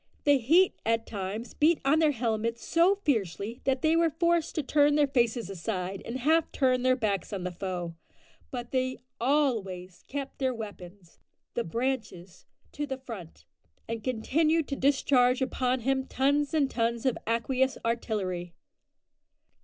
The heat at times beat on their helmets so fiercely that they were forced to turn their faces aside and half turn their backs on the foe, but they always kept their weapons the "branches" to the front, and continued to discharge upon him tons and tons of aqueous artillery.